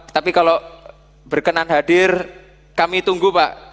tapi kalau berkenan hadir kami tunggu pak